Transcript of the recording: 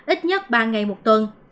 ít nhất ba ngày một tuần